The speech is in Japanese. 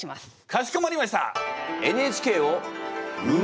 かしこまりました！